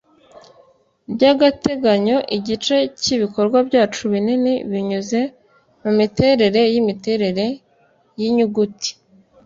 by'agateganyo, igice cyibikorwa byacu binini binyuze mumiterere yimiterere yinyuguti